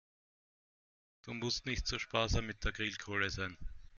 Du musst nicht so sparsam mit der Grillkohle sein.